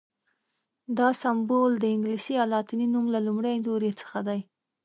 دا سمبول د انګلیسي یا لاتیني نوم له لومړي توري څخه دی.